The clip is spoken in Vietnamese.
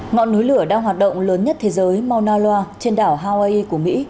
ngọn núi lửa đang hoạt động lớn nhất thế giới mauna loa trên đảo hawaii của mỹ